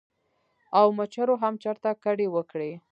او مچرو هم چرته کډې وکړې ـ